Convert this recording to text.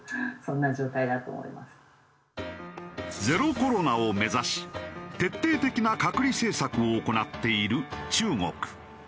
ゼロコロナを目指し徹底的な隔離政策を行っている中国。